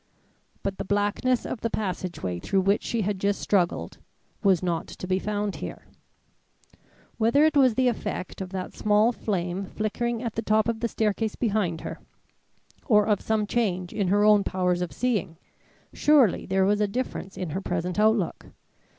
But the blackness of the passageway through which she had just struggled, was not to be found here. Whether it was the effect of that small flame flickering at the top of the staircase behind her, or of some change in her own powers of seeing, surely there was a difference in her present outlook.